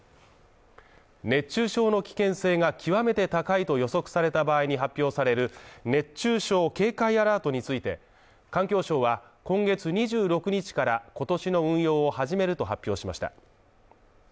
熱中症の危険性が極めて高いと予測された場合に発表される熱中症警戒アラートについて環境省は、今月２６日から今年の運用を始めると発表しました。